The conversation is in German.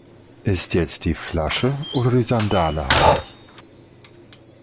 Ist jetzt die Flasche oder die Sandale heilig?